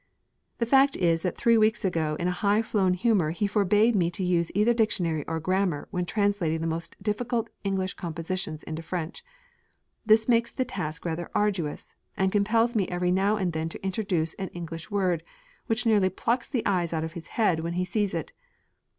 The fact is that three weeks ago in a high flown humour he forbade me to use either dictionary or grammar when translating the most difficult English composition into French. This makes the task rather arduous, and compels me every now and then to introduce an English word, which nearly plucks the eyes out of his head when he sees it.